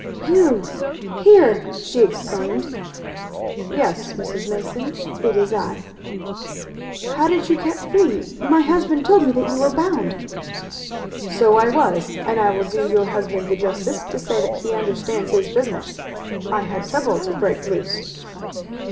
"You here!" she exclaimed. "Yes, Mrs. Mason, it is I." "How did you get free? My husband told me that you were bound." "So I was, and I will do your husband the justice to say that he understands his business. I had trouble to break loose."